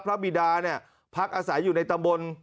บิดาเนี่ยพักอาศัยอยู่ในตำบล